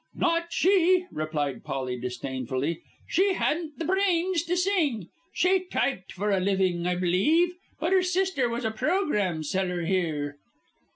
"Not she," replied Polly, disdainfully. "She hadn't the brains to sing. She typed for a living, I believe, but her sister was a programme seller here."